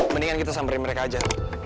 mendingan kita samperin mereka aja